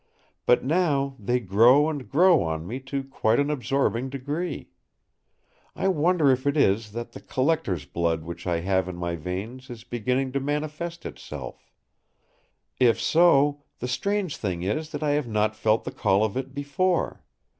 But now, they grow and grow on me to quite an absorbing degree. I wonder if it is that the collector's blood which I have in my veins is beginning to manifest itself. If so, the strange thing is that I have not felt the call of it before.